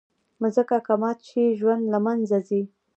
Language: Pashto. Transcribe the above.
مځکه که ماته شي، ژوند له منځه ځي.